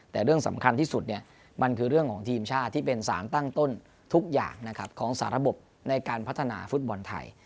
แต่เรื่องสำคัญที่สุดมันคือเรื่องของทีมชาติที่เป็นสารตั้งต้นทุกอย่างของสารบในการพัฒนาฟุตบอลไทย